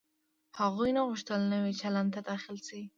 هغوی نه غوښتل نوي چلند ته داخل شي.